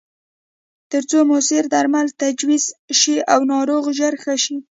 ترڅو موثره درمل تجویز شي او ناروغ ژر ښه شي.